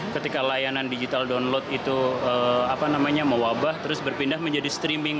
ketika layanan digital download itu mewabah terus berpindah menjadi streaming